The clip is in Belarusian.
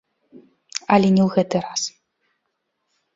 Але не ў гэты раз.